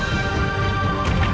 saya akan mencari kepuasan